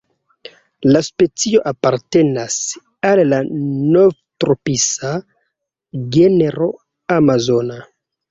La specio apartenas al la Novtropisa genro "Amazona".